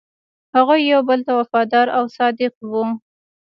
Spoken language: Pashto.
هغوی یو بل ته وفادار او صادق وو.